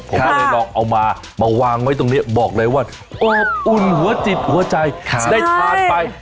ผมก็เลยลองเอามามาวางไว้ตรงนี้บอกเลยว่าอบอุ่นหัวจิตหัวใจได้ทานไป